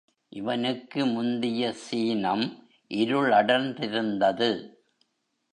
இவனுக்கு முந்திய சீனம் இருளடர்ந்திருந்தது.